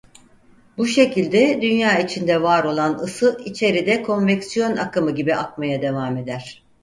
Bu şekilde Dünya içinde var olan ısı içeride konveksiyon akımı gibi akmaya devam eder.